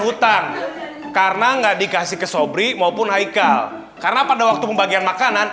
hutan karena enggak dikasih kesobri maupun haikal karena pada waktu pembagian makanan